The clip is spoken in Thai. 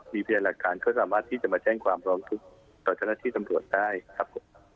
มีพิจารณ์หลักการเขาสามารถที่จะมาแจ้งความร้องทุกข์ต่อจากหน้าที่สำรวจได้ครับ